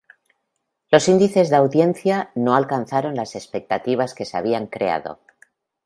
Los índices de audiencia no alcanzaron las expectativas que se habían creado.